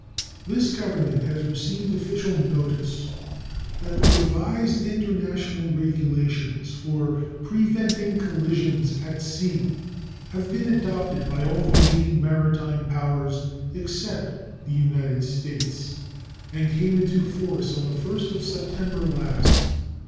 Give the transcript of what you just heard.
This Government has received official notice that the revised international regulations for preventing collisions at sea have been adopted by all the leading maritime powers except the United States, and came into force on the 1st of September last.